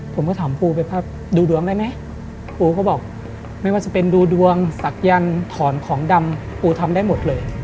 ผมก็ถามปูไปว่าดูดวงได้ไหมปูก็บอกไม่ว่าจะเป็นดูดวงศักยันต์ถอนของดำปูทำได้หมดเลย